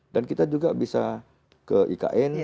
dan kita juga bisa ke ikn